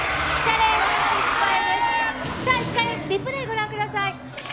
リプレーご覧ください。